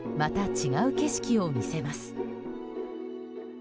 違う景色を見せます。